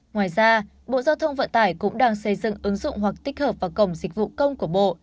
ngoài ra bộ giao thông vận tải cũng đang xây dựng ứng dụng hoặc tích hợp vào cổng dịch vụ công của bộ